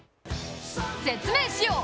説明しよう！